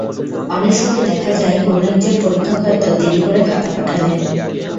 অনেক সময় দেখা যায়, কোনো একজন পরীক্ষক হয়তো দেরি করে খাতা পাঠালেন।